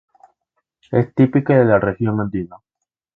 Es típico de la región Andina.